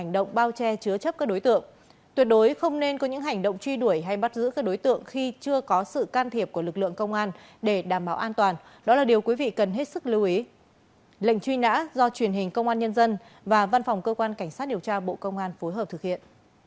do truyền hình công an nhân dân và văn phòng cơ quan cảnh sát điều tra bộ công an phối hợp thực hiện